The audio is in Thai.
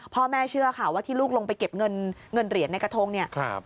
พ่อแม่เชื่อค่ะว่าที่ลูกลงไปเก็บเงินเหรียญในกระทงเนี่ย